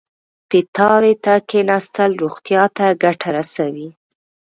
پیتاوي ته کېناستل روغتیا ته ګټه رسوي.